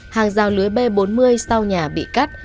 hàng rào lưới b bốn mươi sau nhà bị cắt